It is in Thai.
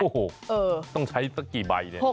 โอ้โหต้องใช้สักกี่ใบ